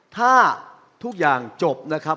ถ้าทุกอย่างจบนะครับ